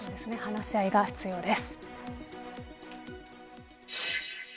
話し合いが必要です。